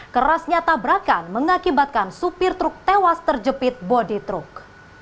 kerasnya tabrakan mengakibatkan supir truk tewas terjepit bodi truk